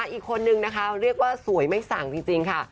อีกคนนึงนะคะเรียกว่าสวยไม่สั่งจริงค่ะ